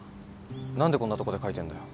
何でこんなとこで描いてんだよ？